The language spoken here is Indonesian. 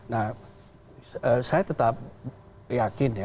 nah saya tetap yakin ya